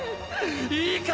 いいか！